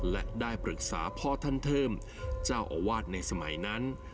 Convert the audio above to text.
และได้ปรึกษาพ่อท่านเทิมเจ้าอาวาสในสมัยนั้น